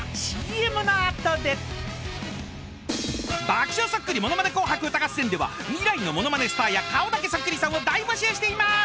［『爆笑そっくりものまね紅白歌合戦』では未来のものまねスターや顔だけそっくりさんを大募集しています。